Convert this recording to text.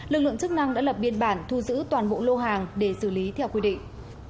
lực lượng chức năng đã lập biên bản thu giữ toàn bộ lô hàng để xử lý theo quy định